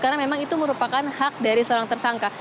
karena memang itu merupakan hak dari seorang tersangka